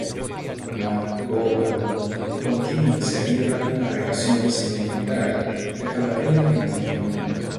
McGowan, con quien iniciaría una relación sentimental que acabaría en matrimonio.